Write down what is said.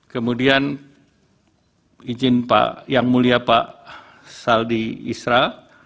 kemudian izin pak yang mulia pak saldi isra